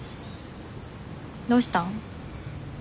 どうしたん？